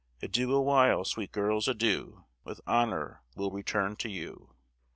Adieu awhile, sweet girls, adieu, With honor we'll return to you.